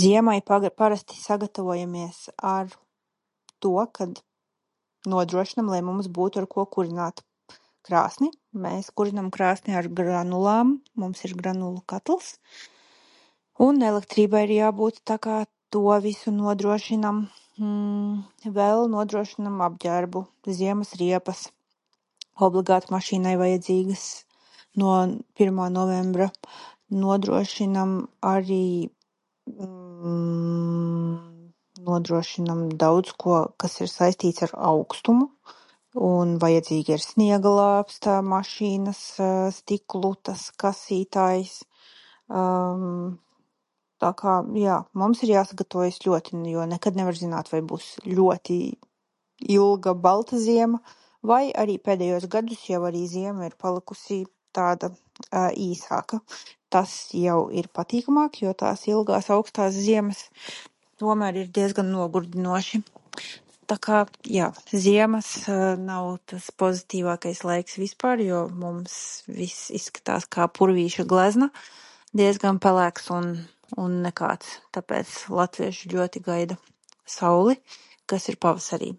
Ziemai pa- parasti sagatavojamies ar to, kad nodrošinam, lai mums būtu ar ko kurināt krāsni. Mēs kurinam krāsni ar granulām. Mums ir granulu katls. Un elektrībai ir jābūt. Tā kā to visu nodrošinam. Vēl nodrošinam apģērbu, ziemas riepas obligāti mašīnai vajadzīgas no pirmā novembra, Nodrošinam arī Nodrošinam daudzko, kas ir saistīts ar aukstumu. Vajadzīga ir sniega lāpsta, mašīnas stiklu tas kasītājs. Tā kā, jā, mums ir jāsagatavojas ļoti, jo nekad nevar zināt, vai būs ļoti ilga, balta ziema vai arī pēdējos gadus jau arī ziema ir palikusi tāda īsāka. Tas jau ir patīkamāk, jo tās ilgās, aukstās ziemas tomēr ir diezgan nogurdinoši. Ta kā, jā. Ziemas nav tas pozitīvākais laiks vispār, jo mums viss izskatās kā Purvīša glezna diezgan pelēks un, un nekāds. Tapēc latvieši ļoti gaida sauli, kas ir pavasarī.